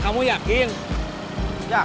jangan dibikin keburu bukanya yaa